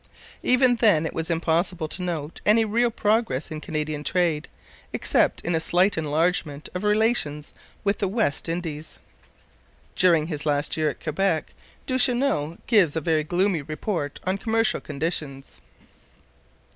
Even then it was impossible to note any real progress in Canadian trade, except in a slight enlargement of relations with the West Indies. During his last year at Quebec Duchesneau gives a very gloomy report on commercial conditions.